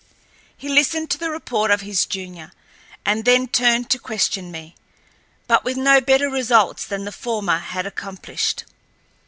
He listened to the report of his junior, and then turned to question me, but with no better results than the former had accomplished.